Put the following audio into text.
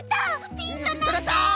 ピンとなった。